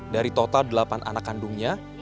dari total delapan anak kandungnya